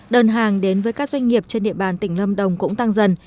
đơn hàng đến với các doanh nghiệp trên địa bàn tỉnh lâm đồng cũng tăng dần